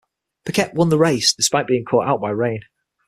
Piquet won the race despite being caught out by rain.